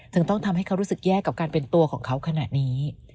ต้องทำให้เขารู้สึกแย่กับการเป็นตัวของเขาขนาดนี้